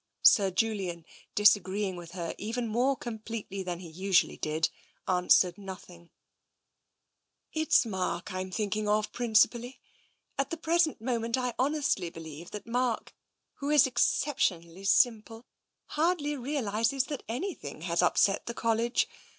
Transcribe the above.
Sir Julian, disagreeing with her even more com pletely than he usually did, answered nothing. \ 240 TENSION " It's Mark Fm thinking of principally. At the present moment I honestly believe that Mark, who is exceptionally simple, hardly realises that anything has upset the College.